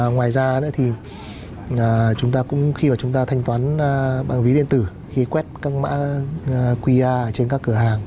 ngoài ra khi chúng ta thanh toán bằng ví điện tử khi quét các mã qr trên các cửa hàng